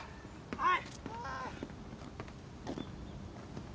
はい。